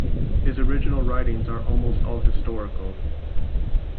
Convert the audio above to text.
His original writings are almost all historical.